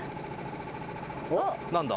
何だ？